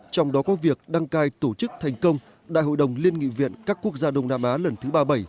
trong đó có việc đăng cai tổ chức thành công đại hội đồng liên nghị viện các quốc gia đông nam á lần thứ ba mươi bảy